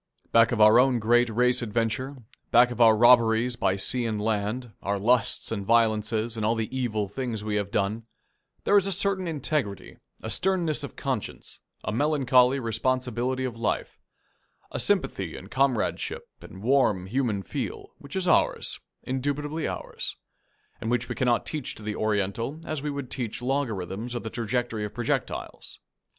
Back of our own great race adventure, back of our robberies by sea and land, our lusts and violences and all the evil things we have done, there is a certain integrity, a sternness of conscience, a melancholy responsibility of life, a sympathy and comradeship and warm human feel, which is ours, indubitably ours, and which we cannot teach to the Oriental as we would teach logarithms or the trajectory of projectiles.